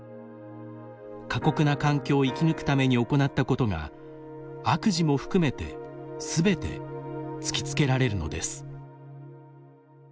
過酷な環境を生き抜くために行ったことが悪事も含めてすべて突きつけられるのです。